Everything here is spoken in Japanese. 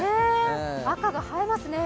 赤が映えますね。